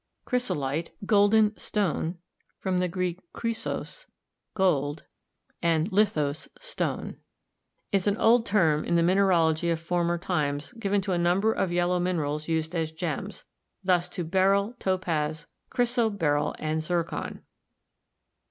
Chrys olite (golden stone, from xp v( >6s, gold, and Az2o£, stone) is an old term in the mineralogy of former times given to a number of yellow minerals used as gems, thus to beryl, topaz, chrysoberyl and zircon.